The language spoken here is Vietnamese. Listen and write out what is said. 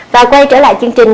sau khi quay trở lại chương trình